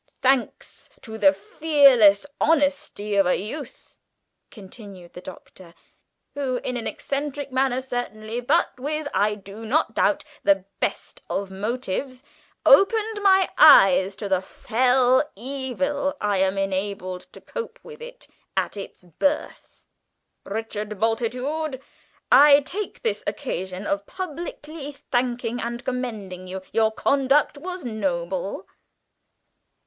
"Thanks to the fearless honesty of a youth," continued the Doctor, "who, in an eccentric manner, certainly, but with, I do not doubt, the best of motives, opened my eyes to the fell evil, I am enabled to cope with it at its birth. Richard Bultitude, I take this occasion of publicly thanking and commending you; your conduct was noble!"